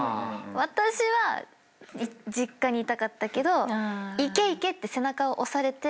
私は実家にいたかったけど「行け行け」って背中を押されて。